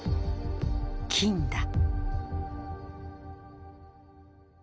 金だ。